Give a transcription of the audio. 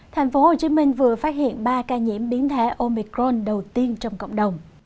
tp hcm vừa phát hiện ba ca nhiễm biến thể omicron đầu tiên trong cộng đồng